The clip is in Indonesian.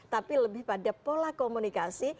tapi lebih pada pola komunikasi